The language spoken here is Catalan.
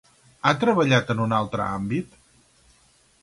Ha treballat en un altre àmbit?